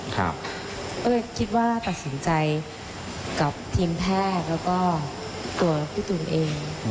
ก็เลยคิดว่าตัดสินใจกับทีมแพทย์แล้วก็ตัวพี่ตูนเอง